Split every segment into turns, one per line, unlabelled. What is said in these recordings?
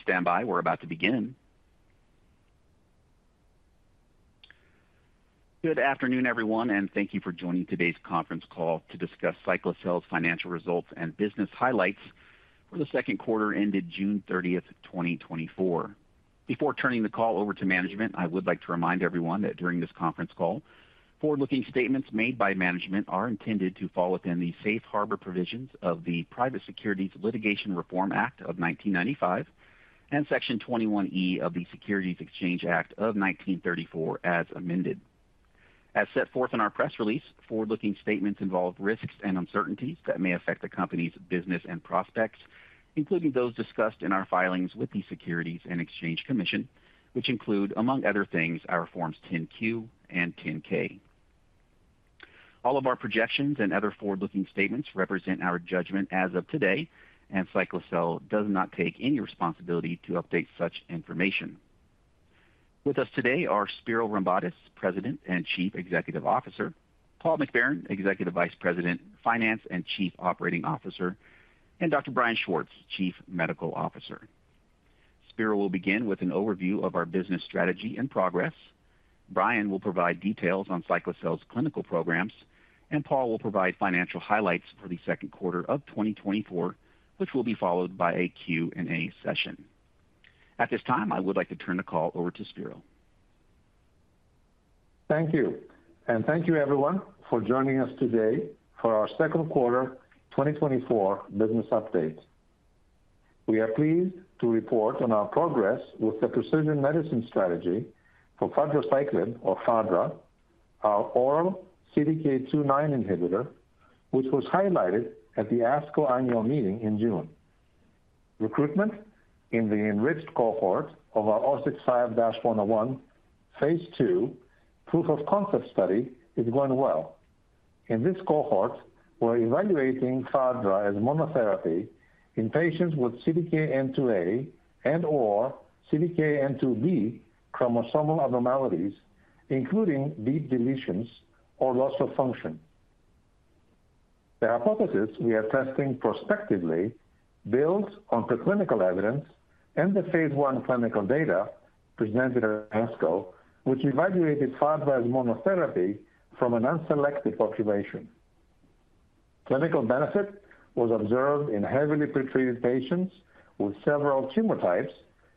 Please stand by. We're about to begin. Good afternoon, everyone, and thank you for joining today's conference call to discuss Cyclacel's financial results and business highlights for the second quarter ended June 30, 2024. Before turning the call over to management, I would like to remind everyone that during this conference call, forward-looking statements made by management are intended to fall within the safe harbor provisions of the Private Securities Litigation Reform Act of 1995 and Section 21E of the Securities Exchange Act of 1934, as amended. As set forth in our press release, forward-looking statements involve risks and uncertainties that may affect the company's business and prospects, including those discussed in our filings with the Securities and Exchange Commission, which include, among other things, our Forms 10-Q and 10-K. All of our projections and other forward-looking statements represent our judgment as of today, and Cyclacel does not take any responsibility to update such information. With us today are Spiro Rombotis, President and Chief Executive Officer, Paul McBarron, Executive Vice President, Finance and Chief Operating Officer, and Dr. Brian Schwartz, Chief Medical Officer. Spiro will begin with an overview of our business strategy and progress. Brian will provide details on Cyclacel's clinical programs, and Paul will provide financial highlights for the second quarter of 2024, which will be followed by a Q&A session. At this time, I would like to turn the call over to Spiro.
Thank you. And thank you everyone for joining us today for our second quarter 2024 business update. We are pleased to report on our progress with the precision medicine strategy for Fadraciclib or Fadra, our oral CDK2/9 inhibitor, which was highlighted at the ASCO annual meeting in June. Recruitment in the enriched cohort of our CYC065-101 phase 2 proof of concept study is going well. In this cohort, we're evaluating Fadra as monotherapy in patients with CDKN2A and/or CDKN2B chromosomal abnormalities, including deep deletions or loss of function. The hypothesis we are testing prospectively builds on preclinical evidence and the phase 1 clinical data presented at ASCO, which evaluated Fadra as monotherapy from an unselected population. Clinical benefit was observed in heavily pretreated patients with several tumor types,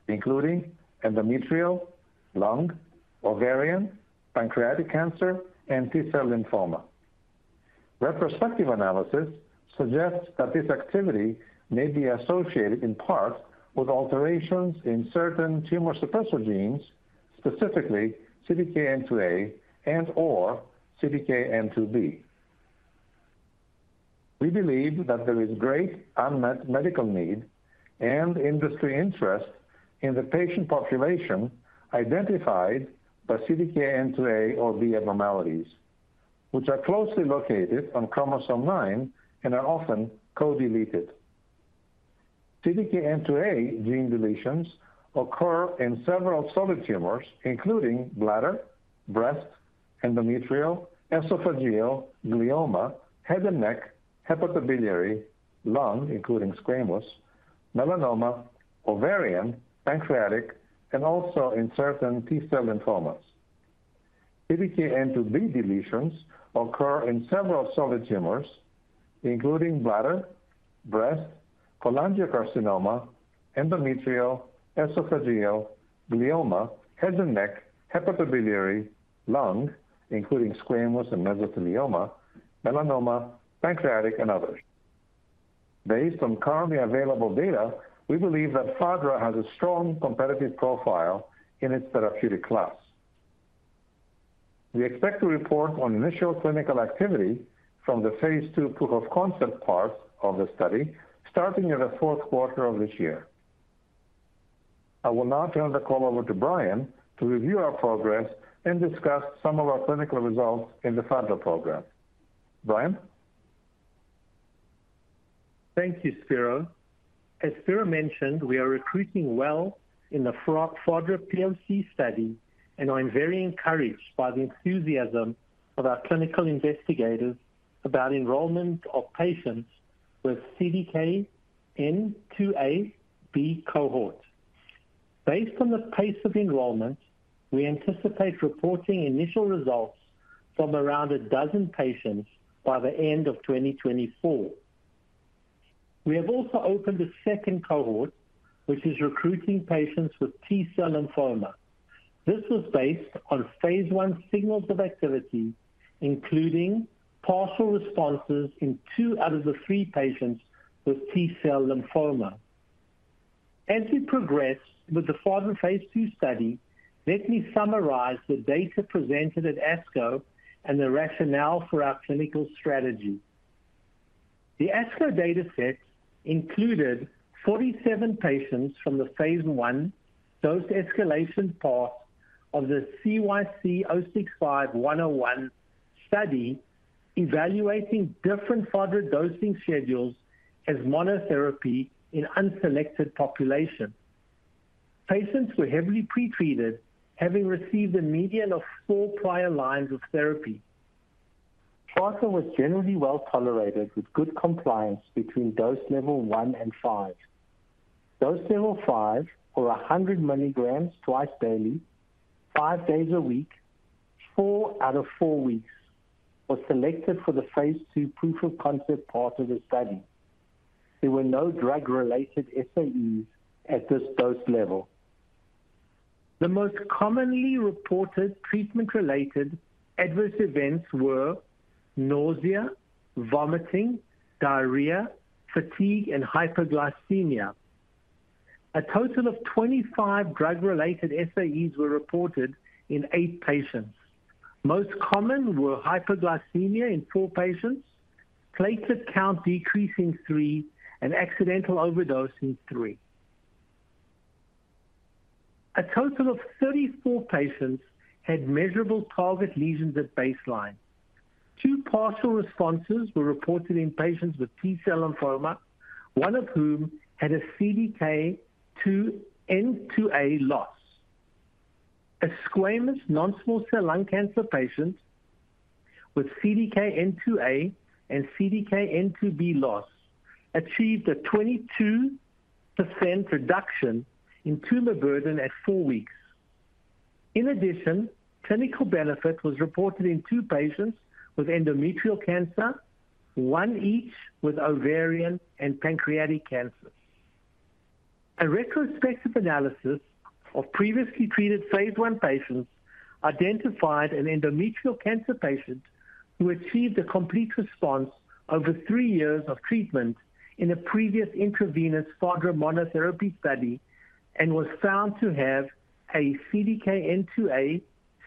including endometrial, lung, ovarian, pancreatic cancer, and T-cell lymphoma. Retrospective analysis suggests that this activity may be associated in part with alterations in certain tumor suppressor genes, specifically CDKN2A and/or CDKN2B. We believe that there is great unmet medical need and industry interest in the patient population identified by CDKN2A or B abnormalities, which are closely located on chromosome nine and are often co-deleted. CDKN2A gene deletions occur in several solid tumors, including bladder, breast, endometrial, esophageal, glioma, head and neck, hepatobiliary, lung, including squamous, melanoma, ovarian, pancreatic, and also in certain T-cell lymphomas. CDKN2B deletions occur in several solid tumors, including bladder, breast, cholangiocarcinoma, endometrial, esophageal, glioma, head and neck, hepatobiliary, lung, including squamous and mesothelioma, melanoma, pancreatic, and others. Based on currently available data, we believe that Fadra has a strong competitive profile in its therapeutic class. We expect to report on initial clinical activity from the phase 2 proof of concept part of the study starting in the fourth quarter of this year. I will now turn the call over to Brian to review our progress and discuss some of our clinical results in the Fadra program. Brian?
Thank you, Spiro. As Spiro mentioned, we are recruiting well in the Fadra POC study, and I'm very encouraged by the enthusiasm of our clinical investigators about enrollment of patients with CDKN2A/B cohort. Based on the pace of enrollment, we anticipate reporting initial results from around a dozen patients by the end of 2024. We have also opened a second cohort, which is recruiting patients with T-cell lymphoma. This was based on phase 1 signals of activity, including partial responses in two out of the three patients with T-cell lymphoma. As we progress with the Fadra phase 2 study, let me summarize the data presented at ASCO and the rationale for our clinical strategy. The ASCO dataset included 47 patients from the phase 1 dose escalation part of the CYC065-101 study, evaluating different Fadra dosing schedules as monotherapy in unselected population. Patients were heavily pretreated, having received a median of 4 prior lines of therapy... Fadra was generally well tolerated with good compliance between dose level 1 and 5. Dose level 5, or 100 milligrams twice daily, 5 days a week, 4 out of 4 weeks, was selected for the phase 2 proof of concept part of the study. There were no drug-related SAEs at this dose level. The most commonly reported treatment-related adverse events were nausea, vomiting, diarrhea, fatigue, and hyperglycemia. A total of 25 drug-related SAEs were reported in 8 patients. Most common were hyperglycemia in 4 patients, platelet count decrease in 3, and accidental overdose in 3. A total of 34 patients had measurable target lesions at baseline. 2 partial responses were reported in patients with T-cell lymphoma, one of whom had a CDKN2A loss. A squamous non-small cell lung cancer patient with CDKN2A and CDKN2B loss achieved a 22% reduction in tumor burden at four weeks. In addition, clinical benefit was reported in two patients with endometrial cancer, one each with ovarian and pancreatic cancer. A retrospective analysis of previously treated phase 1 patients identified an endometrial cancer patient who achieved a complete response over three years of treatment in a previous intravenous Fadra monotherapy study and was found to have a CDKN2A,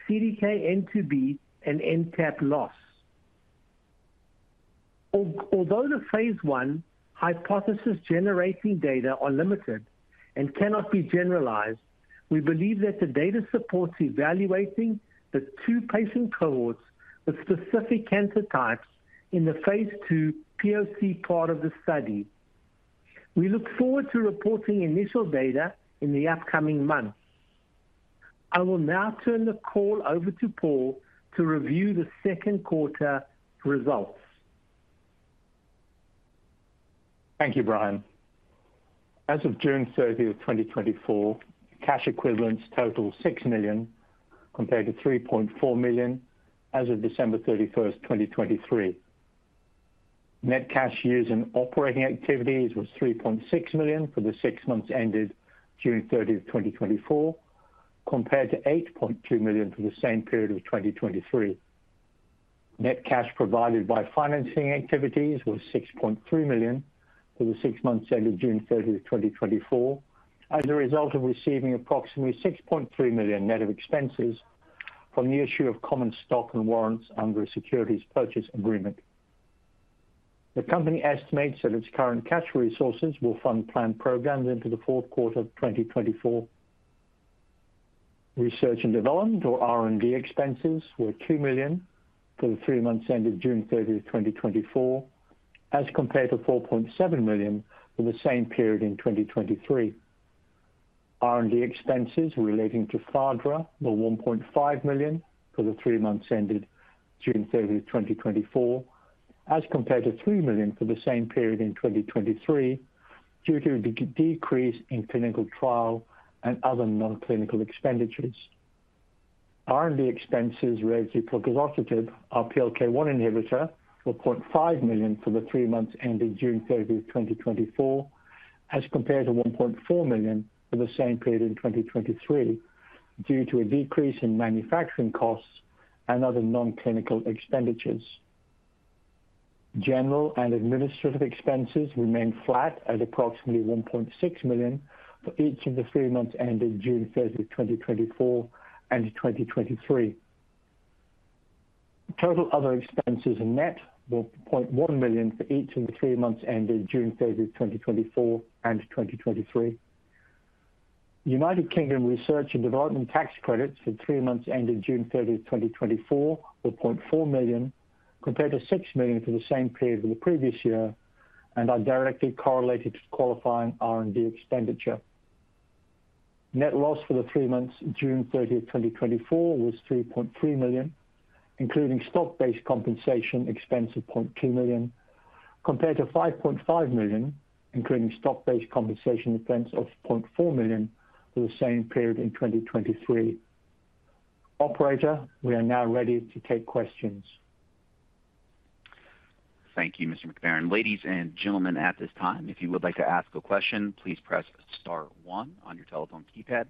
CDKN2B, and MTAP loss. Although the phase 1 hypothesis-generating data are limited and cannot be generalized, we believe that the data supports evaluating the two patient cohorts with specific cancer types in the phase 2 POC part of the study. We look forward to reporting initial data in the upcoming months. I will now turn the call over to Paul to review the second quarter results.
Thank you, Brian. As of June thirtieth, 2024, cash equivalents total $6 million, compared to $3.4 million as of December thirty-first, 2023. Net cash used in operating activities was $3.6 million for the six months ended June thirtieth, 2024, compared to $8.2 million for the same period of 2023. Net cash provided by financing activities was $6.3 million for the six months ended June thirtieth, 2024, as a result of receiving approximately $6.3 million net of expenses from the issue of common stock and warrants under a securities purchase agreement. The company estimates that its current cash resources will fund planned programs into the fourth quarter of 2024. Research and development, or R&D, expenses were $2 million for the three months ended June 30, 2024, as compared to $4.7 million for the same period in 2023. R&D expenses relating to Fadra were $1.5 million for the three months ended June 30, 2024, as compared to $3 million for the same period in 2023, due to a decrease in clinical trial and other non-clinical expenditures. R&D expenses related to plogosertib, our PLK1 inhibitor, were $0.5 million for the three months ended June 30, 2024, as compared to $1.4 million for the same period in 2023, due to a decrease in manufacturing costs and other non-clinical expenditures. General and administrative expenses remained flat at approximately $1.6 million for each of the three months ended June 30, 2024 and 2023. Total other expenses and net were $0.1 million for each of the three months ended June 30, 2024 and 2023. United Kingdom research and development tax credits for three months ended June 30, 2024, were $0.4 million, compared to $6 million for the same period in the previous year and are directly correlated to qualifying R&D expenditure. Net loss for the three months, June 30, 2024, was $3.3 million, including stock-based compensation expense of $0.2 million, compared to $5.5 million, including stock-based compensation expense of $0.4 million for the same period in 2023. Operator, we are now ready to take questions.
Thank you, Mr. McFerran. Ladies and gentlemen, at this time, if you would like to ask a question, please press star one on your telephone keypad,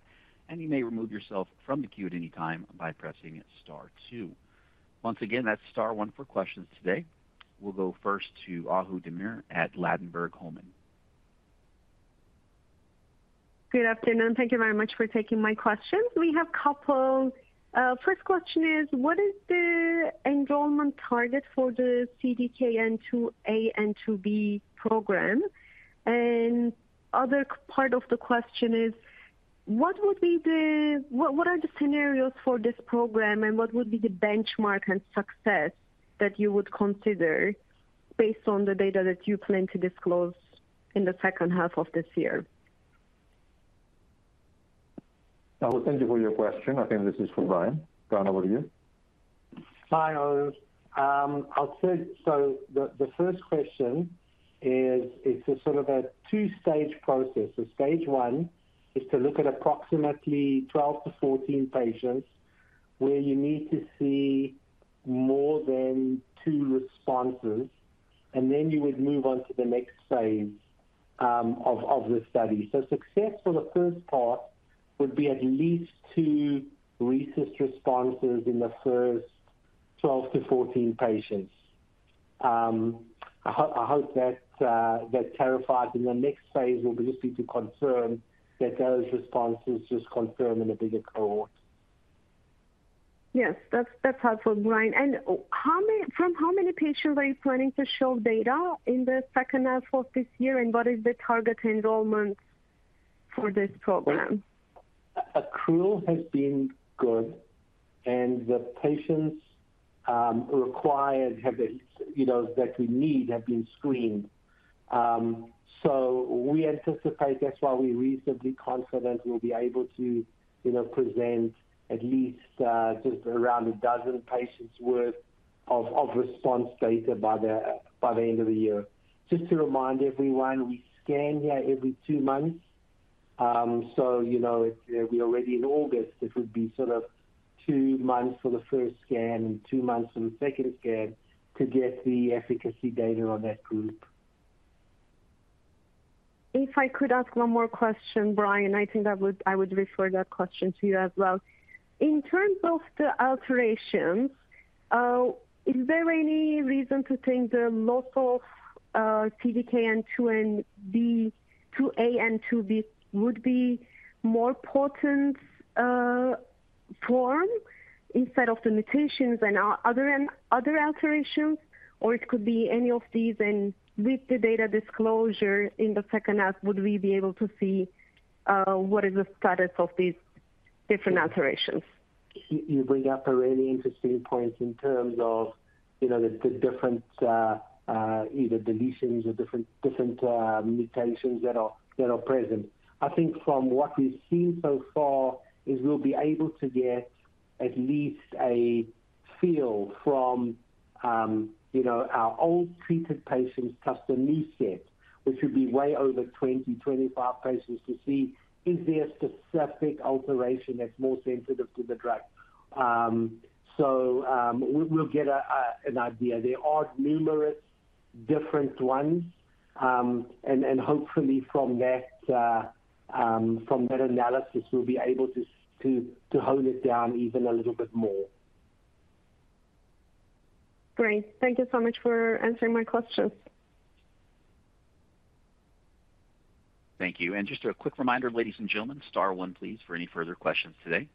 and you may remove yourself from the queue at any time by pressing star two. Once again, that's star one for questions today. We'll go first to Ahu Demir at Ladenburg Thalmann.
Good afternoon. Thank you very much for taking my questions. We have couple. First question is, what is the enrollment target for the CDKN2A and CDKN2B program? And other part of the question is, what would be the, what are the scenarios for this program, and what would be the benchmark and success that you would consider based on the data that you plan to disclose in the second half of this year?...
Oh, thank you for your question. I think this is for Brian. Brian, over to you.
Hi, Ahu. I'll say, so the first question is, it's a sort of a two-stage process. So stage one is to look at approximately 12-14 patients, where you need to see more than two responses, and then you would move on to the next phase of the study. So success for the first part would be at least two responses in the first 12-14 patients. I hope that clarifies. And the next phase will just be to confirm that those responses just confirm in a bigger cohort.
Yes, that's, that's helpful, Brian. And how many - From how many patients are you planning to show data in the second half of this year, and what is the target enrollment for this program?
Accrual has been good, and the patients required have been, you know, that we need, have been screened. So we anticipate that's why we're reasonably confident we'll be able to, you know, present at least just around 12 patients worth of response data by the end of the year. Just to remind everyone, we scan here every two months. So, you know, if we are already in August, it would be sort of two months for the first scan and two months for the second scan to get the efficacy data on that group.
If I could ask one more question, Brian, I think I would, I would refer that question to you as well. In terms of the alterations, is there any reason to think the loss of CDKN2A and CDKN2B would be more potent form instead of the mutations and other other alterations? Or it could be any of these, and with the data disclosure in the second half, would we be able to see what is the status of these different alterations?
You bring up a really interesting point in terms of, you know, the different either deletions or different mutations that are present. I think from what we've seen so far is we'll be able to get at least a feel from, you know, our old treated patients plus the new set, which would be way over 20-25 patients to see is there a specific alteration that's more sensitive to the drug? So, we'll get an idea. There are numerous different ones, and hopefully from that analysis, we'll be able to hone it down even a little bit more.
Great. Thank you so much for answering my questions.
Thank you. And just a quick reminder, ladies and gentlemen, star one, please, for any further questions today.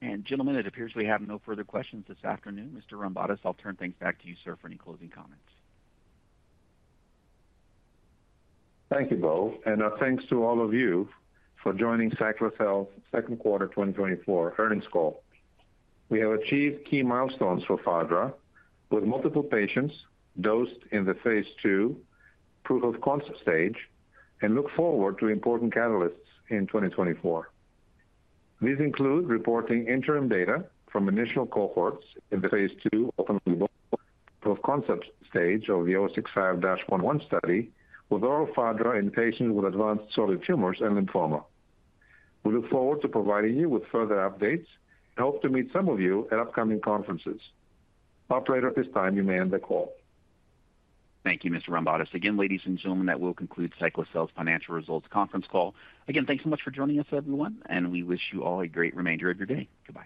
And gentlemen, it appears we have no further questions this afternoon. Mr. Rombotis, I'll turn things back to you, sir, for any closing comments.
Thank you, Bo, and our thanks to all of you for joining Cyclacel's second quarter 2024 earnings call. We have achieved key milestones for Fadra with multiple patients dosed in the phase 2 proof of concept stage and look forward to important catalysts in 2024. These include reporting interim data from initial cohorts in the phase 2 open label proof of concept stage of the 065-101 study with oral Fadra in patients with advanced solid tumors and lymphoma. We look forward to providing you with further updates and hope to meet some of you at upcoming conferences. Operator, at this time, you may end the call.
Thank you, Mr. Rombotis. Again, ladies and gentlemen, that will conclude Cyclacel's financial results conference call. Again, thanks so much for joining us, everyone, and we wish you all a great remainder of your day. Goodbye.